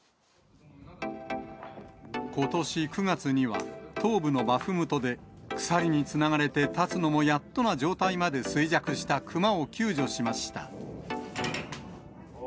ことし９月には、東部のバフムトで鎖につながれて、立つのもやっとの状態まで衰弱したクマを救助しました。